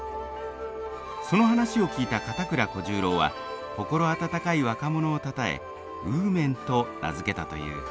その話を聞いた片倉小十郎は心温かい若者をたたえ温麺と名付けたという。